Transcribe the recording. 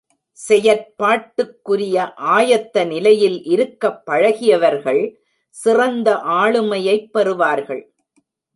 செயற்பாட்டுக்குரிய ஆயத்த நிலையில் இருக்கப் பழகியவர்கள் சிறந்த ஆளுமையைப் பெறுவார்கள்.